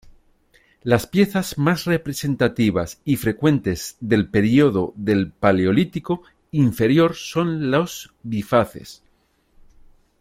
Las piezas más representativas y frecuentes del período del paleolítico inferior son los bifaces.